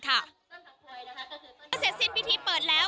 ก็เสร็จสิ้นพิธีเปิดแล้ว